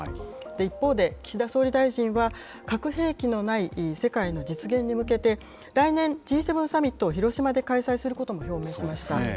一方で、岸田総理大臣は、核兵器のない世界の実現に向けて、来年、Ｇ７サミットを広島で開催することも表明しました。